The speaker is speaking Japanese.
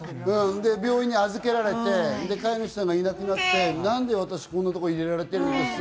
病院に預けられて、飼い主さんがいなくなって、何で私、こんなとこに入れられてるの？